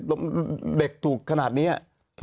เด็กถูกขนาดนี้อ่ะ